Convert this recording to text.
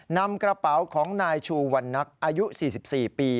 นำกระเป๋าของนายชูวันนักอายุ๔๔ปี